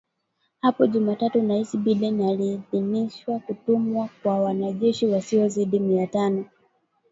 Hapo Jumatatu Rais Biden aliidhinisha kutumwa kwa wanajeshi wasiozidi mia tano